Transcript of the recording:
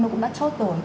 nó cũng đã chốt rồi